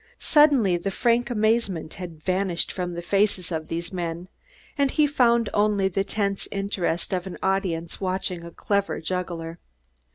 Suddenly the frank amazement had vanished from the faces of these men, and he found only the tense interest of an audience watching a clever juggler.